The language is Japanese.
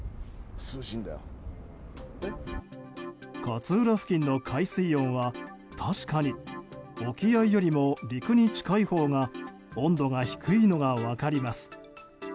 勝浦付近の海水温は確かに沖合よりも陸に近いほうが温度が低いのが分かります。